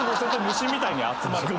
虫みたいに集まる。